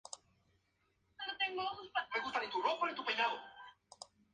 El ácido clorhídrico comercial no es patrón primario.